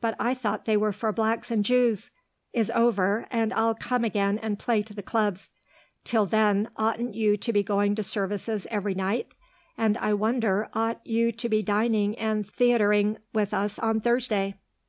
But I thought they were for blacks and Jews) is over, and I'll come again and play to the clubs. Till then, oughtn't you to be going to services every night, and I wonder ought you to be dining and theatreing with us on Thursday?"